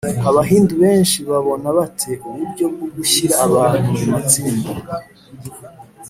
abahindu benshi babona bate uburyo bwo gushyira abantu mu matsinda ?